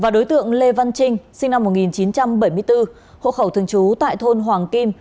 đối tượng lê văn trinh sinh năm một nghìn chín trăm bảy mươi bốn hộ khẩu thường trú tại thôn hoàng kim